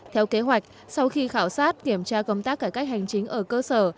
theo kế hoạch sau khi khảo sát kiểm tra công tác cải cách hành chính ở cơ sở